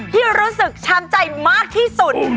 ที่รู้สึกช้ำใจมากที่สุด